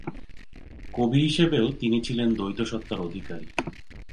কবি হিসেবেও তিনি ছিলেন দ্বৈতসত্তার অধিকারী।